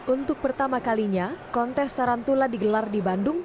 untuk pertama kalinya kontes tarantula digelar di bandung